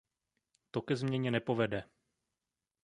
To ke změně nepovede.